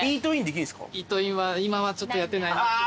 イートインは今はちょっとやってない。